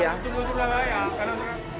iya sebuah sebuah lah ya